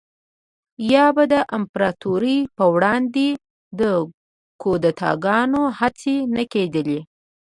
یا به د امپراتورۍ پروړاندې د کودتاګانو هڅې نه کېدلې